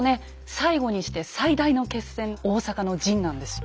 最後にして最大の決戦大坂の陣なんですよ。